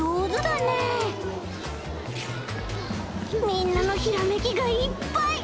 みんなのひらめきがいっぱい！